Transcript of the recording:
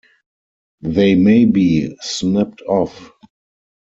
They may be snipped off.